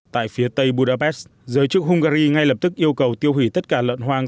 tại phía tây budapest giới chức hungary ngay lập tức yêu cầu tiêu hủy tất cả lợn hoang